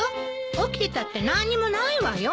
起きてたって何にもないわよ。